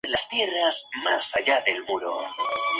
Las Negras mueven primero.